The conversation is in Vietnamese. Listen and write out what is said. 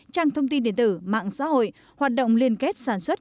trang thông tin điện tử mạng xã hội hoạt động liên kết sản xuất